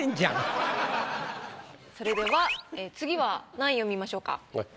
それでは次は何位を見ましょうか？